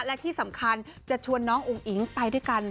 และที่สำคัญจะชวนน้องอุ๋งอิ๋งไปด้วยกัน